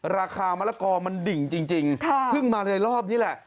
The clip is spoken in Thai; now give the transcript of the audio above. ราคามะละกอมันดิ่งจริงเพิ่งมาในรอบนี้แหละ